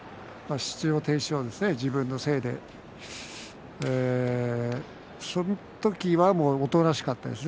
出場停止をされて自分のせいで、その時はおとなしかったですね。